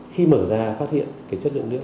khi mở ra phát hiện chất lượng nước